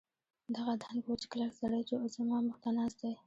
دغه دنګ وچ کلک سړی چې اوس زما مخ ته ناست دی.